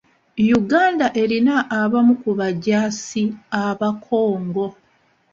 Uganda erina abamu ku bajaasi aba Congo.